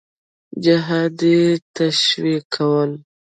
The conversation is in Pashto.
جهاد ته یې تشویقول.